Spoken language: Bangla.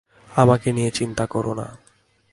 আমাকে নিয়ে চিন্তা করো না।